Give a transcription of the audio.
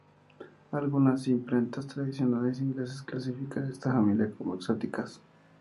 Algunas imprentas tradicionales inglesas clasifican esta familia como "exóticas".